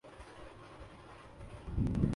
سلیقے اور ڈھنگ سے بات کی جاتی ہے۔